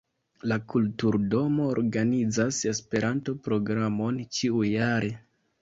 La kulturdomo organizas Esperanto-programon ĉiu-jare.